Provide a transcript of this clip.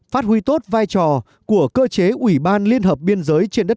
năm tám phát huy tốt vai trò của cơ chế ủy ban liên hợp biên giới trên đất nước